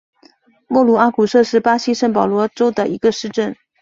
莫鲁阿古杜是巴西圣保罗州的一个市镇。